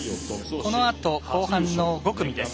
このあと後半の５組です。